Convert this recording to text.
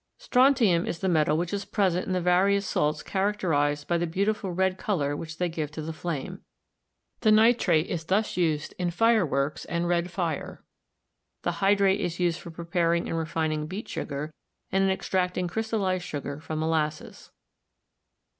Strontium is the metal which is present in the various salts characterized by the beautiful red color which they give to the flame. The nitrate is thus used in fireworks and red fire ; the hydrate is used for preparing and refining beet sugar and in extracting crystallized sugar from mo lasses.